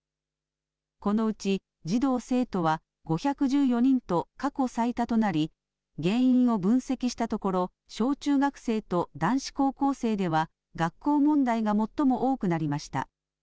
このうち児童・生徒は５１４人と過去最多となり原因を分析したところ小中学生と男子高校生では学校問題が最も多くなりました。